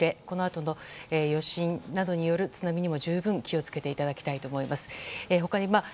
このあとの余震などによる津波にも十分気を付けていただきたいと思います。